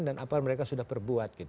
dan apa yang mereka sudah perbuat